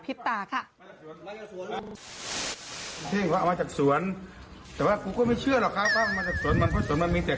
พี่หลังเอามาให้กูพี่กินไม่ได้แล้ว